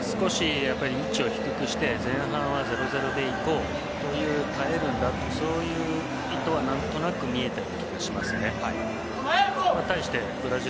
スイスがひとつ位置を低くして前半は０対０でいこう耐えるんだという意図は何となく見えた気がしますね。